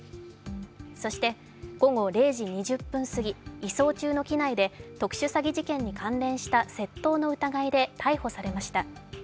そして午後０時２０分過ぎ移送中の機内で特殊詐欺事件に関連した窃盗の疑いで逮捕されました。